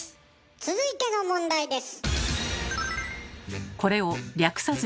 続いての問題です。